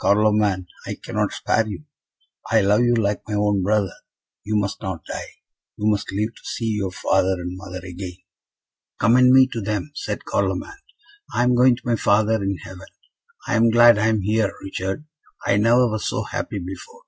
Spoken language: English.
Carloman! I cannot spare you. I love you like my own brother. You must not die you must live to see your father and mother again!" "Commend me to them," said Carloman. "I am going to my Father in heaven. I am glad I am here, Richard; I never was so happy before.